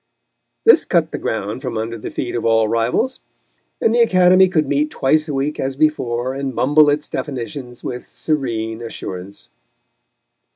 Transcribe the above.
This cut the ground from under the feet of all rivals, and the Academy could meet twice a week as before and mumble its definitions with serene assurance.